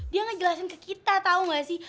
dia ngejelasin ke kita tau gak sih